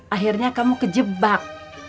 akhirnya kamu kejebak